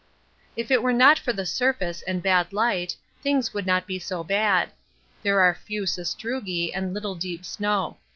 If it were not for the surface and bad light, things would not be so bad. There are few sastrugi and little deep snow.